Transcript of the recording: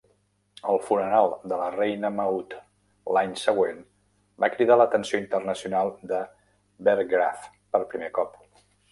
El funeral de la reina Maud l'any següent va cridar l'atenció internacional de Berggrav per primer cop.